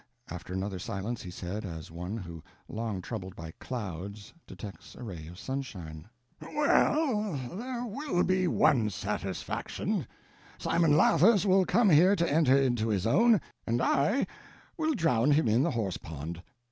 After another silence, he said, as one who, long troubled by clouds, detects a ray of sunshine, "Well, there will be one satisfaction—Simon Lathers will come here to enter into his own, and I will drown him in the horsepond.